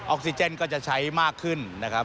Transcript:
ออกซิเจนก็จะใช้มากขึ้นนะครับ